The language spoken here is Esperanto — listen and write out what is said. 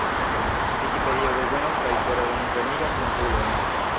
Vikipedio bezonas kaj kore bonvenigas novulojn!